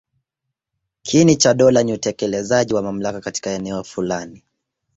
Kiini cha dola ni utekelezaji wa mamlaka katika eneo fulani.